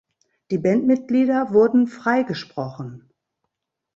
Die Bandmitglieder wurden freigesprochen.